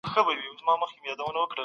او په څه مو مصرف کړي ده؟